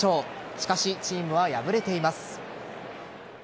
しかし、チームは敗れています。